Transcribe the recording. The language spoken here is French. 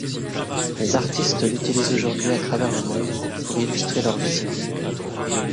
Les artistes l'utilisent aujourd'hui à travers le monde pour illustrer leurs visions.